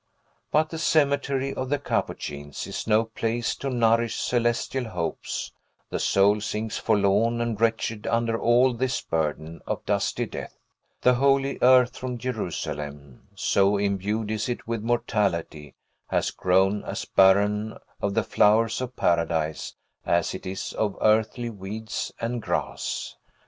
But the cemetery of the Capuchins is no place to nourish celestial hopes: the soul sinks forlorn and wretched under all this burden of dusty death; the holy earth from Jerusalem, so imbued is it with mortality, has grown as barren of the flowers of Paradise as it is of earthly weeds and grass.